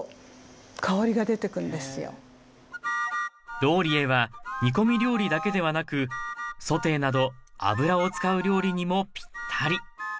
ローリエは煮込み料理だけではなくソテーなど油を使う料理にもぴったり。